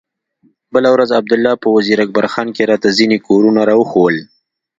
بله ورځ عبدالله په وزير اکبر خان کښې راته ځينې کورونه راوښوول.